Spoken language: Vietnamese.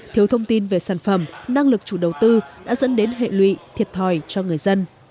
thiếu thông tin về sản phẩm năng lực chủ đầu tư đã dẫn đến hệ lụy thiệt thòi cho người dân